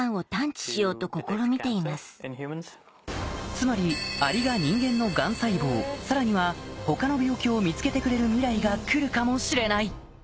つまりアリが人間のがん細胞さらには他の病気を見つけてくれる未来がくるかもしれない。